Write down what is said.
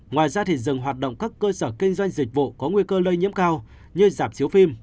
ngoài ra thì dừng hoạt động các cơ sở kinh doanh dịch vụ có nguy cơ lây nhiễm cao như sạp chiếu phim